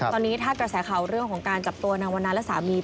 ตอนนี้ถ้ากระแสข่าวเรื่องของการจับตัวนางวันนาและสามี